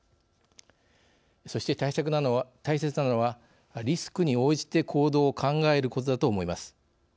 そして大切なのはリスクに応じて行動を考えることだと思います。